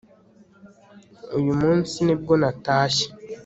uyu munsi nibwo natashye